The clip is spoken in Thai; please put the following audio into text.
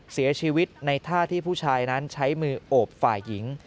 เสียชีวิตในท่าที่ผู้ชายนั้นใช้มือโอบฝ่ายหญิง